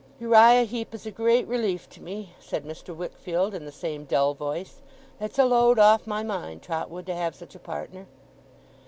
'Uriah Heep is a great relief to me,' said Mr. Wickfield, in the same dull voice. 'It's a load off my mind, Trotwood, to have such a partner.